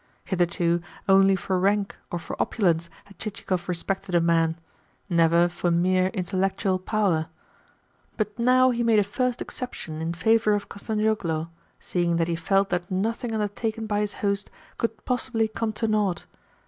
Hitherto only for rank or for opulence had Chichikov respected a man never for mere intellectual power; but now he made a first exception in favour of Kostanzhoglo, seeing that he felt that nothing undertaken by his host could possibly come to naught.